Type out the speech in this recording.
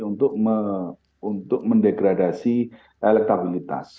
untuk mendegradasi elektabilitas